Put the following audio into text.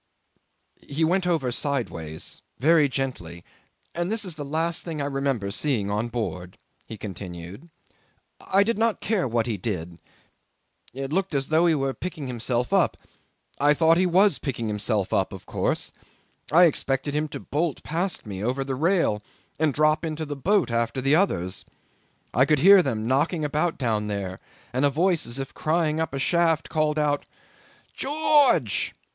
'"He went over sideways, very gently, and this is the last thing I remember seeing on board," he continued. "I did not care what he did. It looked as though he were picking himself up: I thought he was picking himself up, of course: I expected him to bolt past me over the rail and drop into the boat after the others. I could hear them knocking about down there, and a voice as if crying up a shaft called out 'George!